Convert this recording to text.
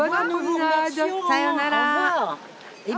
さよなら。